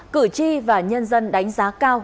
cử tri và nhân dân đánh giá cao